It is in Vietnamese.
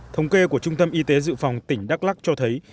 thống kê của trung tâm y tế dự phòng tỉnh đắk lắc cho thấy